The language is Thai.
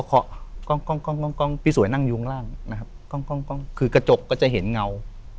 เกาะกล้องพี่สวยนั่งอยู่ข้างล่างนะครับกล้องคือกระจกก็จะเห็นเงา